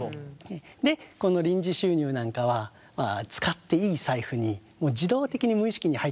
でこの臨時収入なんかは使っていい財布に自動的に無意識に入ってしまいます。